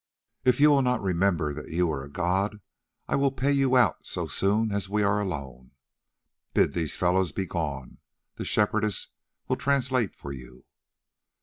"If you will not remember that you are a god, I will pay you out so soon as we are alone. Bid these fellows begone; the Shepherdess will translate for you."